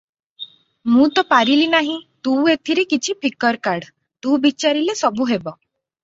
ମୁଁ ତ ପାରିଲି ନାହିଁ ତୁ ଏଥିର କିଛି ଫିକର କାଢ଼, ତୁ ବିଚାରିଲେ ସବୁ ହେବ!